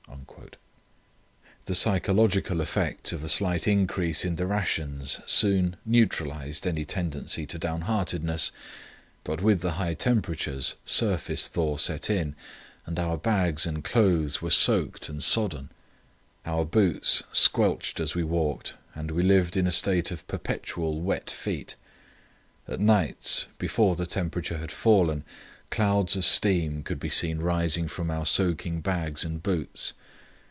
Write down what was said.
The psychological effect of a slight increase in the rations soon neutralized any tendency to downheartedness, but with the high temperatures surface thaw set in, and our bags and clothes were soaked and sodden. Our boots squelched as we walked, and we lived in a state of perpetual wet feet. At nights, before the temperature had fallen, clouds of steam could be seen rising from our soaking bags and boots.